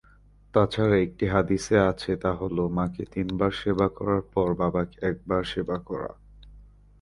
তাছাড়া একটি হাদীসে আছে তা হল মাকে তিন বার সেবা করার পর বাবাকে এক বার সেবা করা।